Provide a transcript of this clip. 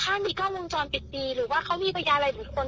ถ้ามีกล้องวงจรปิดดีหรือว่าเขามีพยานอะไรบุคคล